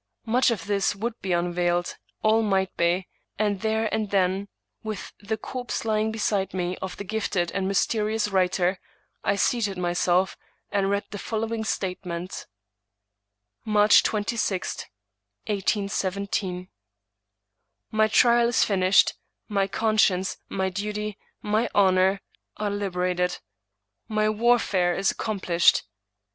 Much of this would be unveiled — ^all might be: and there and then, with the corpse lying beside me of the gifted and mysterious writer, I seated myself, and read the following statement: "March 26, 1817. " My trial is finished ; my conscience, my duty, my honor, are liberated ; my * warfare is accomplished.'